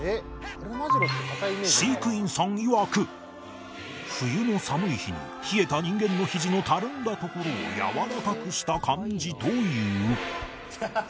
飼育員さんいわく冬の寒い日に冷えた人間のひじのたるんだところをやわらかくした感じという